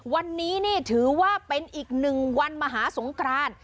วันนี้นี่ถือว่าเป็นอีกหนึ่งวันมหาสงคราน